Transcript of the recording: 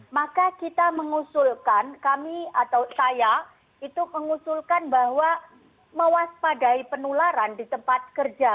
maka kita mengusulkan kami atau saya itu mengusulkan bahwa mewaspadai penularan di tempat kerja